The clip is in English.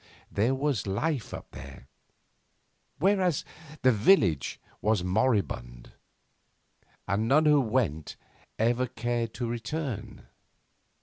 There was life up there, whereas the village was moribund. And none who went ever cared to return.